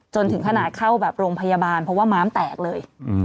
จนถึงขนาดเข้าแบบโรงพยาบาลเพราะว่าม้ามแตกเลย